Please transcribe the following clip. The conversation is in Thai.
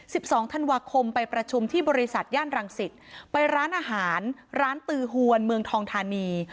สิบสองธันวาคมไปประชุมที่บริษัทย่านรังสิตไปร้านอาหารร้านตือหวนเมืองทองทานี